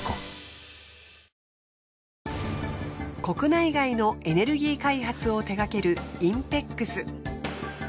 国内外のエネルギー開発を手がけるＩＮＰＥＸ。